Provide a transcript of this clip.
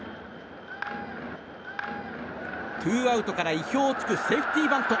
ツーアウトから意表を突くセーフティーバント。